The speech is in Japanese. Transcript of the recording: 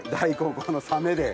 このサメで。